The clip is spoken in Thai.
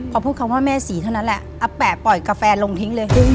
พอพูดคำว่าแม่ศรีเท่านั้นแหละอาแปะปล่อยกาแฟลงทิ้งเลย